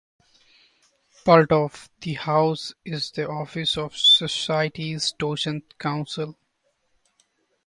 Part of the house is the office of the Society’s Docent Council.